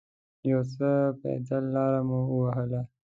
یو څه پیاده لاره مو و وهله.